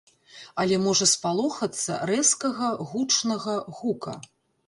Але можа спалохацца рэзкага гучнага гука.